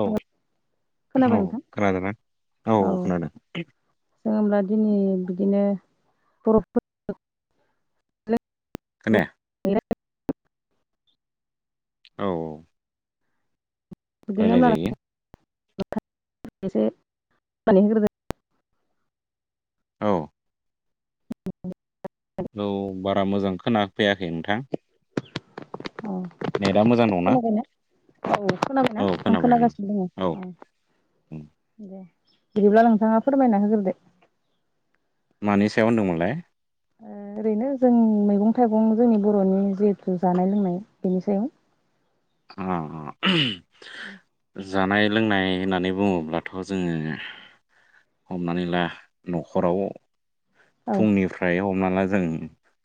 औ। खोनाबाय औ नोंथां खोनादोंना औ खोनादों। जोंनि बिदिनो बर'फोर खोनाया औ बिदिनो रायलाय होमब्ला जायो। [unintelligible] होग्रोदो औ [inaudible] औ बारा मोजां खोना फैयाखै नोंथां। अ नेटआ मोजां दंना खोनाबायना औ खोनाबायना औ आं खोनाबाय ओं खोनागासिनो औ दङ। उम दे बिदिब्ला नोंथाङा फोरमायना होग्रोदो। मानि सायाव होनदोंमोनलाय? ओ। ओरैनो जों मैगं थाइगं जोंनि बर'नि जिहेथु जानाय लोंनाय बेनि सायाव। अ-अ [inaudible] जानाय लोंनाय होननानै बुङोब्लाथ' जोङो। हमनानै ला न'खराव औ फुंनिफ्राय हमना ला जों।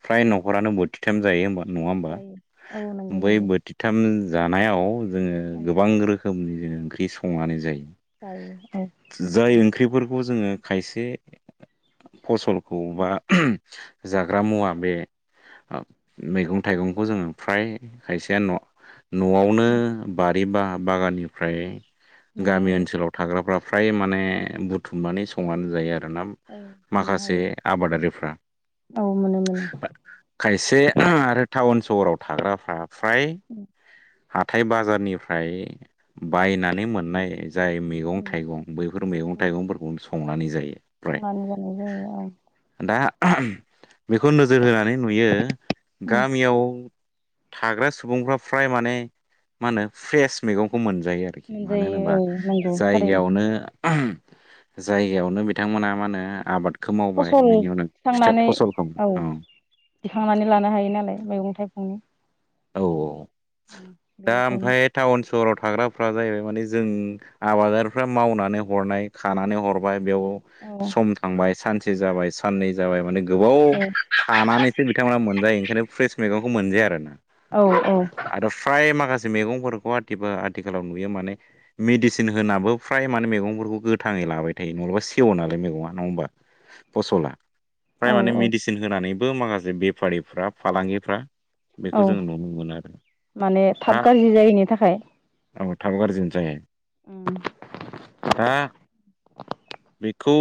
फ्राय न'खरानो बोथिथाम जायो होमबा नङा होमबा जायो औ नंगौ बै नंगौ बोथिथाम। जानायाव जोङो औ गोबां रोखोमनि जों ओंख्रि संनानै जायो। जायो औ। जाय ओंख्रिफोरखौ जोङो खायसे फसलखौ बा जाग्रा मुवा बे मैगं थाइगंखौ जोङो फ्राय खायसेया न' न'आवनो बारि बा बागाननिफ्राय मोननो गामि हायो ओनसोलाव थाग्राफ्रा फ्राय माने बुथुमनानै संनानै जायो आरोना औ मोननो माखासे हायो आबादारिफ्रा। औ मोनो मोनो खायसे आरो टाउन सहराव थाग्राफ्रा फ्राय हाथाय बाजारनिफ्राय बायनानै मोननाय जाय मैगं-थाइगं बैफोर मैगं-थाइगंफोरखौ संनानै जायो। फ्राय [unintelligible] जानाय जायो औ। दा बेखौ नोजोर होनानै नुयो औ गामियाव। थाग्रा सुबुंफ्रा फ्राय माने मा होनो फ्रेस मैगंखौ मोनो। जायो आरोखि मानो मोनजायो होनोबा औ नंगौ थारैनो जायगायावनो। जायगायावनो बिथांमोना मा होनो आबाद। फसल थिखांनानै औ दिखांनानै लानो हायो नालाय मैगं-थाइगं औ। औ औ दा बेनिखायनो ओमफ्राय टाउन सहराव। थाग्राफ्रा जाहैबाय माने जों आबादारिफ्रा मावनानै हरनाय खानानै हरबाय। बेयाव औ सम थांबाय सानसे जाबाय साननै जाबाय माने। गोबाव औ हानानैसो बिथांमोना मोनजायो ओंखायनो फ्रेस मैगंखौ मोनजाया आरो। औ आरो फ्राय माखासे। मेगफोरखौ आथिाल आथिखालाव नुयो माने मेडिसिन होनाबो फ्राय माने मैगंफोरखौ गोथाङै। लाबाय थायो नङालाबा सेव नालाय मैगङा नङा होमबा फसला। फ्राय औ औ माने औ मेडिसिन होनानैबो माखासे बेफारिफ्रा फालांगिफ्रा। बेखौ औ जोङो नुनो मोनो आरो माने दा थाब गाज्रि जायैनि थाखाय। औ थाब गाज्रिनो जायो। उम [inaudible] दा [inaudible] बेखौ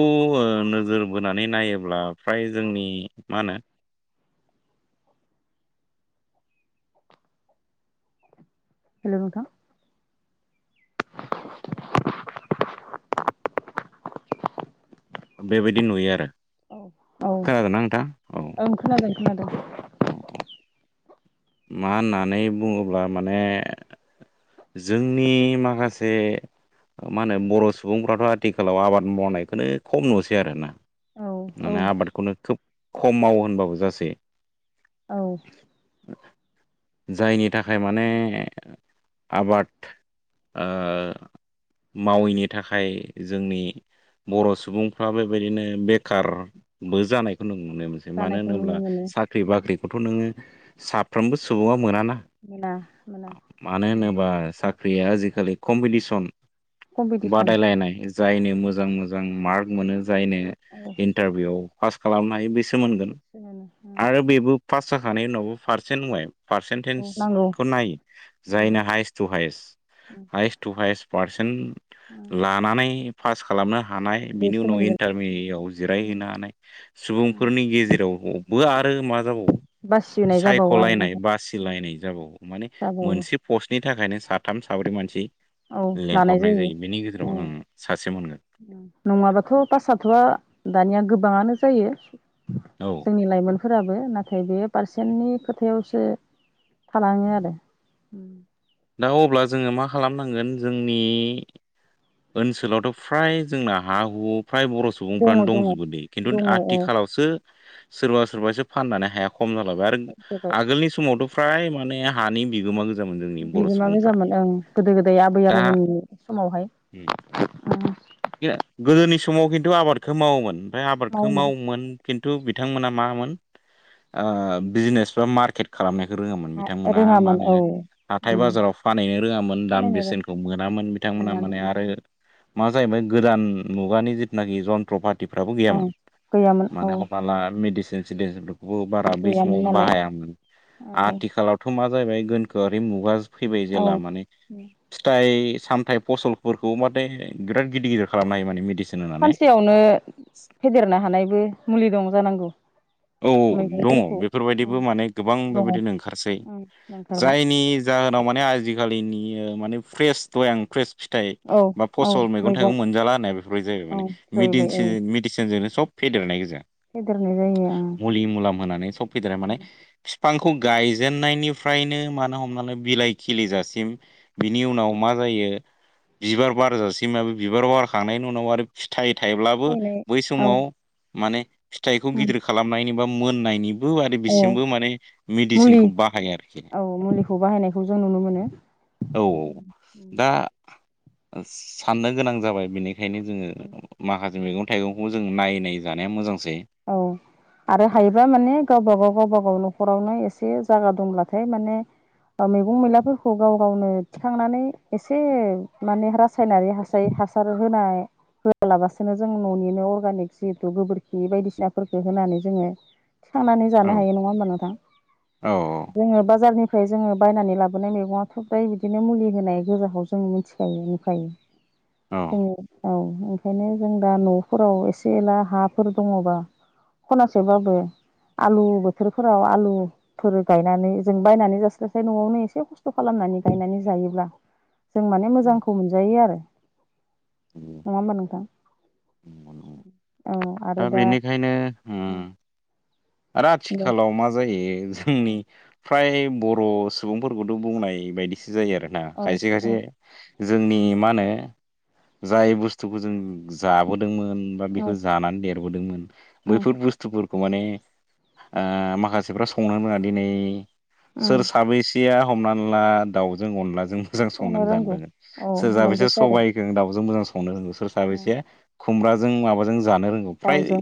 नोजोर बोनानै नायोब्ला फ्राय जोंनि मा होनो। [inaudible] हेलौ नोंथां। बेबायदि नुयो। औ औ खोनादोंना नोंथां औ ओं खोनादों खोनादों। [inaudible] मा होननानै बुङोब्ला माने। जोंनि माखासे मा होनो बर' सुबुंफ्राथ' आथिखालाव आबाद मावनायखौनो खम नुसै आरोना। औ औ माने आबादखौनो खोब खम मावावो होनबाबो जासै। औ जायनि थाखाय माने आबाद मावैनि थाखाय जोंनि बर' सुबुंफ्रा बेबायदिनो बेखार बो जानायखौ नों मो नसै मानो जानायखौ होन्ला नुनो मोनो साख्रि बाख्रिखौथ' नोङो साफ्रोमबो सुबुङा मोना ना। मोना मोना मानो होनोबा साख्रिया आजिखालि कम्पिटिसन कम्पिटिसन बादायलायनाय जायनो मोजां मोजां मार्क मोनो। जायनो इन्टारभिउआव पास खालामनो हायो बेसो मोनगोन आरो बेबो पास जाखानाय उनावबो पारसेन्ट बाय औ नांगौ पार्सेन्टेजखौ नायो जायनो highest to highest highest to highest. Percent लानानै पास खालामनो हा हानाय इनि बेसो उनाव मोनगोन इन्टारभियाव जिरायहैनानै सुबुंफोरनि गेजेरावबो आरो आरो मा जाबावो बासिनाय जाबावो आरो सायख'लायनाय नोंथां उम बासिलायनाय जाबावो माने जाबावो मोनसे पस्टनि थाखायनो साथाम साब्रै मानसि औ लानाय लेंहरनाय जायो बेनि गेजेराव उम आं सासे मोनगोन नङाबाथ' पाससाथ'आ दानिया गोबाङानो जायो औ जोंनि लाइमोन फोराबो नाथाय बे पारसेन्टनि खोथायावसो थालाङो आरो उम दा अब्ला जोङो मा खालामनांगोन जोंनि ओनसोलावथ' फ्राय जोंना हा हु फ्राय बर' दङ सुबुंफ्रानो दङ दंजोबोदि खिन्थु दङ औ आथिखालावसो सोरबा सोरबासो फाननानै हाया खम जालाबाय आरो जाबाय आगोलनि समावथ' फ्राय माने हानि बिगोमा गोजामोन जोंनि बर' बिबोमा सुबुंफ्रा मोजांमोन ओं गोदो गोदाय आबै आबौमोननि समावहाय ओ गोदोनि समाव खिन्थु आबादखौ मावोमोन ओमफ्राय आबादखौ मावोमोन खिन्थु थ बिथांमोना मामोन बिजनेस बा मार्केट खालामनाय। रोङोमोन बिथांमोना मा रोङामोन होनो औ हाथाय उम बाजाराव फानहैनो रोङामोन दाम खामायनो बेसेनखौ मोनामोन बिथांमोना रोङामोन माने आरो मा जाहैबाय गोदान मुगानि जिथनाखि जन्त्रपात फ्राबो ओं गैयामोन गैयामोन औ माने हमनाला मेडिसिन सिडसिन बारा बै गैयामोन समाव नालाय बाहायामोन औ आथिखालावथ मा जाहैबाय गोनखोआरि मुगा फैबाय औ जेला माने फिथाइ सामथायाइ फसलफोरखौ माथे बिराद गिदिर गदिर खालामनो हायो माने सानसेयावनो फेदेरनो हानायबो मुलि दं जानांगौ। औ औ दङ मैगंफोरखौ बेफोरबायदिबो उम माने गोबां दङ बेबायदिनो ओंखारसै। उम ओंखारबाय जायनि जाहोनाव माने आजिखालिनि माने फ्रेस दय आं फ्रेस फिथाइ औ बा औ फसल मैगं थाइगं मोनजाला होना बेफोरबायदि जायो औ माने जाहैबाय मेदिसिनजोंनो सब फेदेरनाय गोजा बे मुलि मुलाम होनानै सब फेदेरनाय माने उम बिफांखौ गायजेननायनिफ्रायनो मानो हमनााय बिलाइ खिलिजासिम बिनि उनाव मा जा यो बिबार बार बिबार बारखांनायनि उनाव आरो फिथाइ थाइब्लाबो थायनाय बै औ समाव माने फिथाइखौ उम गिदिर खालामनायनि बा मोननायनि आरो औ बिसिमबो माने मुलि मेडिसिनखौ बाहायो आरोखि औ मुलिखौ बाहायनायखौ जों नुनो मोनो औ उम औ उम दा उम साननो गोनां जाबाय बेनिखायनो जोङो माखासे मैगं थाइगंखौ जों नायनाय जानाया मोजांसै। औ आरो हायोबा माने गावबा गाव गावबा गाव नखर नखरावनो एसे जागा दंब्लाथाय माने ओ मैगं मैलाफोरखौ गाव गावनो थिखांनानै एसे माने रासायनारि हासार हासार होनाय होलाबासेनो जों ननिनो अर्गानिक जिहेतु गोबोरखि बायदिसिना नाफोरखौ होनानै जोङो थिखांनानै औ जानो हायो नङा होमबा नोंथां औ जोङो बाजारनि ओमफ्राय जोङो बायनानै लाबोनाय मैगङाथ फ्राय बिदिनो मुलि होनाय गोजाखौ जों मिथिखायो नुखायो औ जों औ ओंखायनो जों दा नफोराव एसे एला हाफोर दंबा खनासेबाबो आलु बोथोरफोराव आलुफोर गायनानै जों बायनानै जास्लायस्लाय नआवनो एसे खस्थ खालाम नानै गायनानै जायोब्ला जों माने मोजांखौ मोनजायो आरो नङा होमबा नोंथां औ औ आरो दा उम आरो आथिखालाव मा जायो जोंनि औ फ्राय बर सुबुंफोरखौथ बुंनाय बायदिसो जायो आरो ना औ खायसे खायसे औ जोंनि मा होनो जाय बुस्थुखौ जों जाबोदों दोंमोन बा बेखौ जानानै देरबोदोंमोन उम बैफोर बुस्थुफोरखौ माने ओ माखासेफ्रा संनो रोङा दिनै उम सोर साबैसेया हमनानै ला दाउजों अनलाजों मोजां संनो संनानै जानो रोंगौ रोङो औ सोर साबैसे नंगौथ' आरो सबाइखौ दाउजों मोजां संनो रोंङो सोर उम साबैसे खुमब्राजों माबाजों जानो रोंगौ फ्राय दाउजों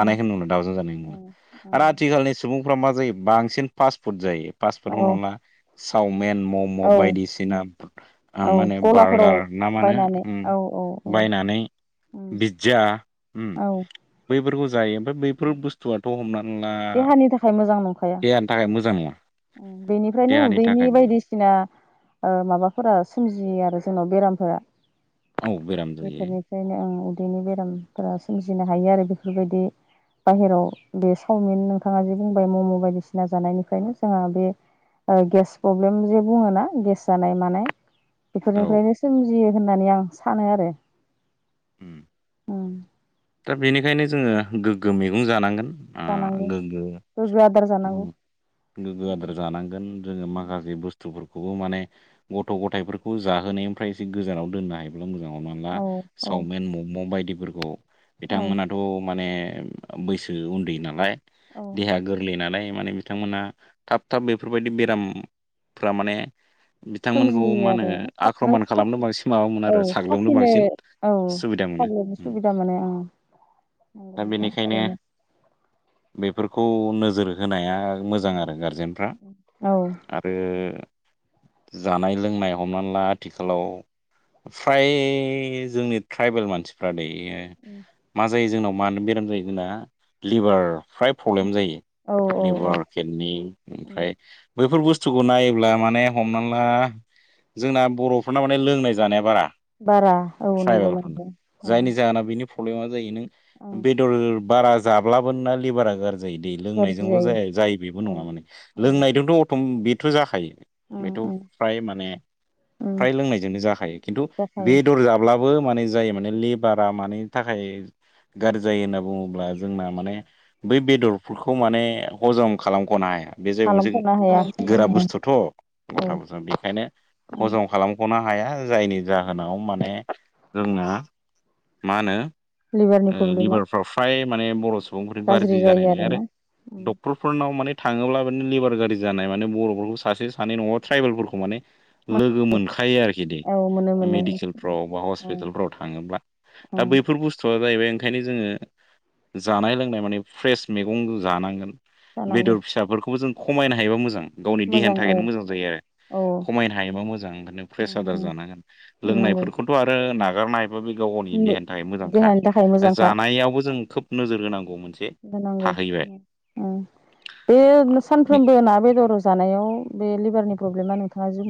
उम नुला दाउजों जानाय नुला उम आरो उम आथिखालनि सुबुंफ्रा मा जायो बांसिन फास्ट फुड जायो फास्ट फुड हमना औ ला चावमिन औ मम बायदिसिना औ माने गलाफोराव बारगार ना मानो बायनानै उम औ औ औ बायनानै उम बिज्जा उम औ बैफोरखौ जायो ओमफ्राय बैफोर बुस्थुआ ट हमनानै ला देहानि थाखाय मोजां नंखाया देहानि थाखाय मोजां नङा उम बेनिफ्रायनो देहानि उदैनि थाखाय मोजां बायदिसिना ओ माबाफोरा सोमजियो आरो जोंनाव बेरामफोरा औ बेराम जायो बेफोरनिफ्रायनो ओं उदैनि बेरामफोरा सोमजिनो हायो आरो बेफोरबायदि बाहेराव बे चावमिन नोंथाङा जे बुंबाय मम' बायदिसिना जानायनिफ्रायनो जोंहा बे ओ गेस प्रब्लेम जे बुङोना गेस जानाय मानाय औ बेफोरनिफ्रायनो सोमजियो होननानै आं सानो आरो उम। उम दा बेनिखायनो जोङो गोग्गो मैगं जानांगोन ओ जानांगौ गोग्गो आदार जानांगौ गोगो आदार जानांगोन जोङो माखासे बुस्थुफोरखौ खौबो माने गथ' गथायफोरखौ जाहोनायनिफ्राय एसे गोजानाव दोननो हायो मोजां हमना ला औ औ सावमिन मम' बायदिफोरखौ औ बिथांमोनाथ' माने ओ बैसो उन्दै नालाय औ देहा गोरलै नालाय माने बिथांमोना थाब थाब बेफोरबायदि बेरामफ्रा माने बिथांमोनखौ मा सोमजियो होनो आरो थाबनो आख्रमान खालामनो साखि बांसिन माबामोन औ आरो साग्लोबनो साखिनो बांसिन औ सुबिदामोन सुबिदा मोनो ओं नंगौ दा नोंथां बेनिखायनो थारैनो बेफोर खौ नोजोर होनाया मोजां औ आरो गारजेनफ्रा आरो जानाय लोंनाय हमनानै ला आथिखालाव फ्राय जोंनि ट्राइबेल मानसिफ्रा दै ओ मा जायो जोंनाव मानो बेराम जायो जोंना लिभार फ्राय प्रब्लेम जायो औ औ लेबार केटनि औ ओमफ्राय बैफोर बुस्थु स्थुखौ नायोब्ला माने हमना ला जोंना बर'फोरना माने लोंनाय जानाया बारा बारा औ नंगौ ट्राइबेलफोरनो नंगौ औ जायनि जाहोना बेनि प्रब्लेमा जायो नों बेदर बारा जाब्लाबो ना लिभारा गाज्रि जायो दै लोंनायजोंल' जाया जायो बेबो नङा माने औ लोंनायजोंथ' अट' बेथ' जाखायो। उम बेथ' उम फ्राय माने उम फ्राय लोंनायजोंनो जाखायो। खिन्थु जाखायो बेदर जाब्लाबो दाबो माने जायो माने लेबारा माने थाखाय गाज्रि जायो होनना बुङोब्ला जोंना माने बै बेदरफोरखौ माने ह जम खालामखनो हाया। बे जाहैबाय मोनसे खालामख'नो हाया गोरा औ बुस्थुथ' गथ'फोर बेखायनो हजम खालामखनो हाया। जायनि जाहोनाव माने जोंना मा होनो लिभारनि प्रब्लेमा लिभारफ्राव फ्राय माने बर' सुबुंफोर गाज्रि जानाय जायो नङा आरो आरोना डक्टरफोरनाव माने थाङोब्ला माने लेबार गाज्रि जानाय माने बर'फोरखौ सासे सानै नङाबा ट्राइबेलफोरखौ माने लोगो मोनखायो आरोखि औ मोनो मोनो मेडिकेलफ्राव बा औ हस्पिटालफ्राव थाङोब्ला औ दा बै जाहैबाय ओंखायनो जोङो जानाय लोंनाय माने फ्रेस मैगं जानांगोन। जानांगौ बेदर फिसाफोरखौबो जों खमायनो हायोबा मोजां गावनि देहानि मोजां औ थाखायनो मोजां जायो आरो। औ खमायनो हायोबा मोजां ओंखायनो प्रेसार जानो हाया आदार जानांगोन नंगौ लोंनायफोरखौथ' आरो नाग हागारनो हायोबा बे गाव गावनि देहानि थाखाय मोजांखा देहानि थाखाय मोजांखा जानायावबो जों खोब नोजोर होनांगौमोन। होनांगौ बे सानफ्रोमबो ना बेदर जानायाव बे लिभारनि प्रब्लेमा नोंथाङा जु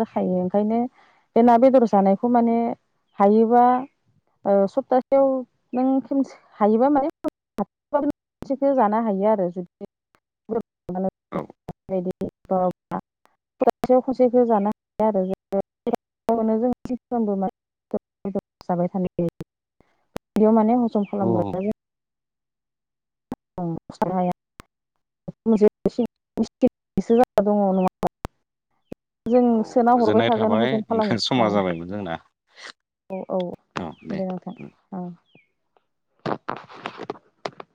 जाखायो ओंखायनो बे ना बेदर जानायखौ माने हायोबा सप्तासेयाव नों खसे हायोबा माने हाथखौ [unintelligible] जानो हायो आरो जुदि औ [unintelligible] सेयाव खनसेखौ जानो हाया आरोनो जों थि खालामबो जाबाय [unintelligible] माने हजम खालामग्रा औ जों [unintelligible] मोनसेसो जा दङ नङा [unintelligible] जों सोना हरबाय गोजोननाय थागोन थाबाय हजम नोंथां, खालामबाय औ समा जाबायमोन जोंना औ औ दे नोंथां औ [inaudible]